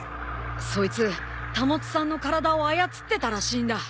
そいつ保さんの体を操ってたらしいんだ。